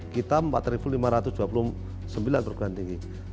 kita empat lima ratus dua puluh sembilan perguruan tinggi